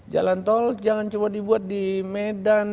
jalan tol jangan coba dibuat di medan